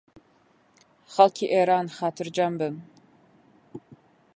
خەڵکی ئێران خاترجەم بن